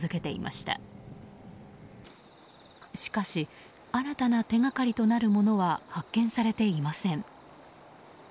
しかし新たな手がかりとなるものは発見されていません。